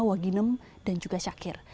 waginem dan juga syakir